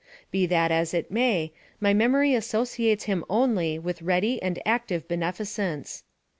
Be that as it may, my memory associates him only with ready and active beneficence.